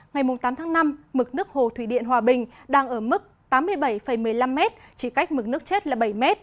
ngày tám tháng năm mực nước hồ thủy điện hòa bình đang ở mức tám mươi bảy một mươi năm m chỉ cách mực nước chết là bảy m